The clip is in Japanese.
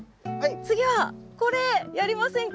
次はこれやりませんか？